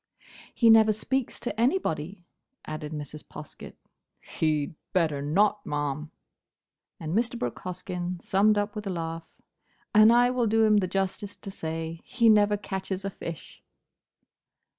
"He never speaks to anybody," added Mrs. Poskett. "He'd better not, ma'am!" And Mr. Brooke Hoskyn summed up with a laugh, "And I will do him the justice to say, he never catches a fish!"